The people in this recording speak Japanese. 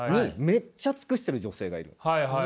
めっちゃ尽くしてる女性がいる。